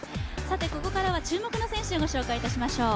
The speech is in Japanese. ここからは注目の選手、ご紹介いたしましょう。